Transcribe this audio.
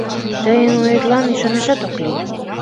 Тыйын оетлан ӱшанашат ок лий...